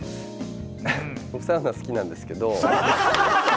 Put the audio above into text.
僕、サウナ好きなんですけれど。